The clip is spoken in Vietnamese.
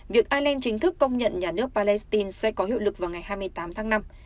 việc ireland chính thức công nhận nhà nước palestine sẽ có hiệu lực vào ngày hai mươi tám tháng năm